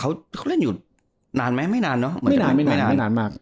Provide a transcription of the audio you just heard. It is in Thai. เขาเขาเล่นอยู่นานไหมไม่นานเนอะไม่นานไม่นานไม่นานไม่นานมาก